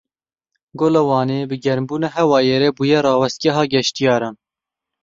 Gola Wanê bi germbûna hewayê re bûye rawestgeha geştiyaran.